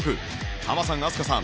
ハマさん飛鳥さん